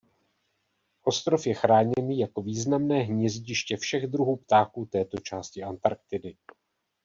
Ostrov je chráněný jako významné hnízdiště všech druhů ptáků této části Antarktidy.